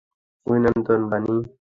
অভিনন্দন, বানি।